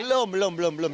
belum belum belum belum